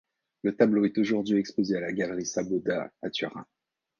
Le tableau est aujourd'hui exposé à la Galerie Sabauda à Turin.